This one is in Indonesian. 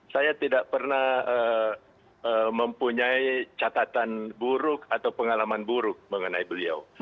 saya tidak pernah mempunyai catatan buruk atau pengalaman buruk mengenai beliau